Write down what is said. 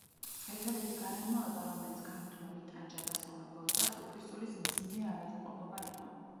ერთადერთი გარემოება, რომელიც გამუდმებით ტანჯავდა სამეფო ოჯახს, უფლისწულის მძიმე ავადმყოფობა იყო.